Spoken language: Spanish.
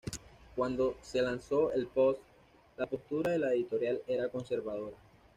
Cuando se lanzó el "Post", la postura de la editorial era conservadora.